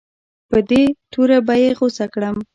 په دې توره به یې غوڅه کړم.